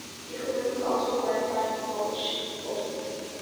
Equipment was also acquired by Polish forces.